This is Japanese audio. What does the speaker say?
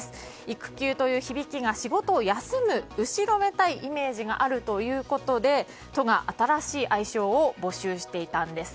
育休という響きが仕事を休む後ろめたいイメージがあるということで都が新しい愛称を募集していたんです。